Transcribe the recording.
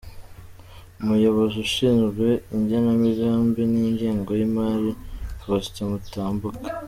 -Umuyobozi ushinzwe igenamigambi n’ingengo y’imari, Faustin Mutambuka.